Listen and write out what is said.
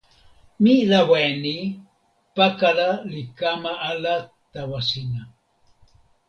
mi lawa e ni: pakala li kama ala tawa sina.